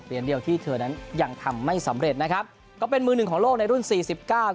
เดียวที่เธอนั้นยังทำไม่สำเร็จนะครับก็เป็นมือหนึ่งของโลกในรุ่นสี่สิบเก้า